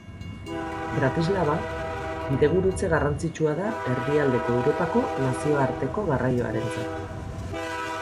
Bratislava bidegurutze garrantzitsua da Erdialdeko Europako nazioarteko garraioarentzat.